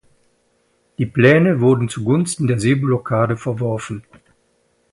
Die Pläne wurden zugunsten der Seeblockade verworfen.